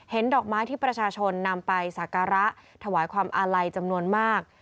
ดอกไม้ที่ประชาชนนำไปสักการะถวายความอาลัยจำนวนมาก